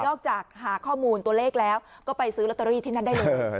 จากหาข้อมูลตัวเลขแล้วก็ไปซื้อลอตเตอรี่ที่นั่นได้เลย